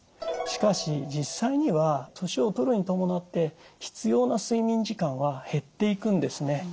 しかし実際には年を取るに伴って必要な睡眠時間は減っていくんですね。